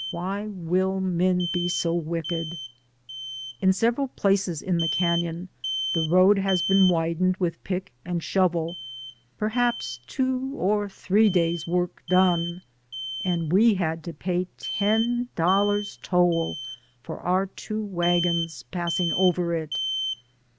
Why will men be so wicked ? In several places in the canon the road has been widened with pick and shovel, perhaps two or three days' work done, and we had to pay ten dollars toll for our two wagons passing over it.